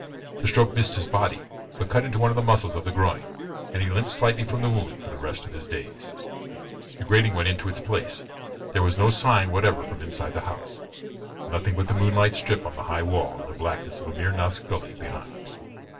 The stroke missed his body, but cut into one of the muscles of the groin, and he limped slightly from the wound for the rest of his days. The grating went into its place. There was no sign whatever from inside the house nothing but the moonlight strip on the high wall, and the blackness of Amir Nath's Gully behind.